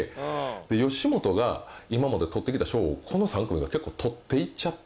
で吉本が今まで取ってきた賞をこの３組が結構取っていっちゃって。